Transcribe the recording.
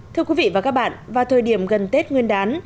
thưa quý vị và các bạn vào thời điểm gần tết nguyên đán